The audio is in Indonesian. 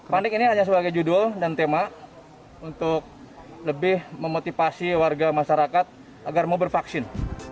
panik ini hanya sebagai judul dan tema untuk lebih memotivasi warga masyarakat agar mau bervaksin